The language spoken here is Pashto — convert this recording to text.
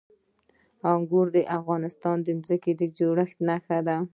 انګور د افغانستان د ځمکې د جوړښت نښه ده.